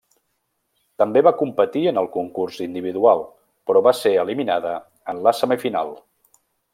També va competir en el concurs individual, però va ser eliminada en la semifinal.